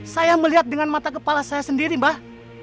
saya melihat dengan mata kepala saya sendiri mbah